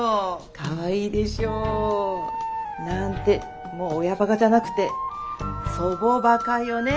かわいいでしょ。なんてもう親バカじゃなくて祖母バカよね。